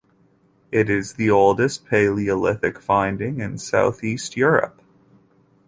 It is the oldest Paleolithic finding in southeast Europe.